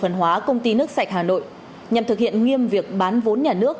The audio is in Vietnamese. phần hóa công ty nước sạch hà nội nhằm thực hiện nghiêm việc bán vốn nhà nước